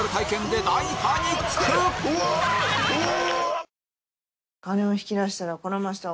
うわ！